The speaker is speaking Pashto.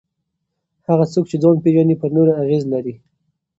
هغه څوک چې ځان پېژني پر نورو اغېزه لري.